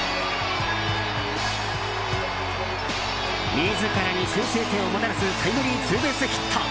自らに先制点をもたらすタイムリーヒット。